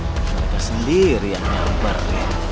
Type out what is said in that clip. mereka sendiri yang ngambar